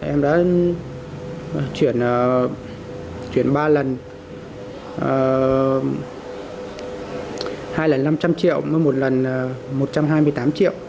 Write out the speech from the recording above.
em đã chuyển ba lần hai lần năm trăm linh triệu một lần một trăm hai mươi tám triệu